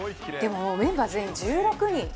でもメンバー全員１６人。